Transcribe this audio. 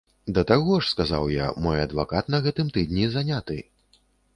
Да таго ж, сказаў я, мой адвакат на гэтым тыдні заняты.